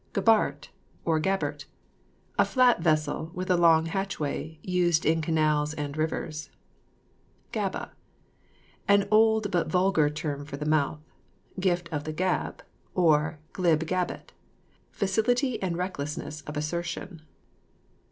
GABART, OR GABBERT. A flat vessel with a long hatchway, used in canals and rivers. GABBE. An old but vulgar term for the mouth. Gift of the gab, or glib gabbet, facility and recklessness of assertion.